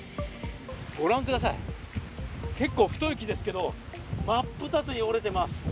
ご覧ください、結構太い木ですけど真っ二つに折れています。